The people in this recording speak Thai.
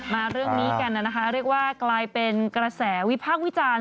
มาเรื่องนี้กันนะคะเรียกว่ากลายเป็นกระแสวิพากษ์วิจารณ์